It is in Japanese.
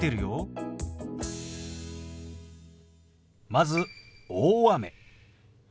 まず「大雨」。